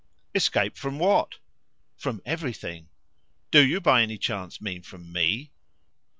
"Escape from what?" "From everything." "Do you by any chance mean from me?"